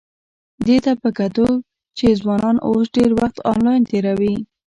دې ته په کتو چې ځوانان اوس ډېر وخت انلاین تېروي،